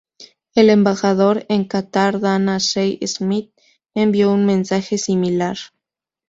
El embajador en Catar, Dana Shell Smith, envió un mensaje similar.